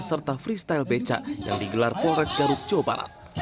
serta freestyle beca yang digelar polres garut joparat